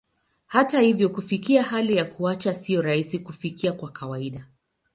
Hata hivyo, kufikia hali ya kuacha sio rahisi kufikia kwa kawaida.